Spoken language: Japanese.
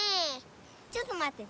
ちょっとまってて。